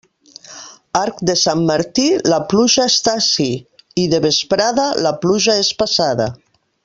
Arc de Sant Martí, la pluja està ací; i de vesprada, la pluja és passada.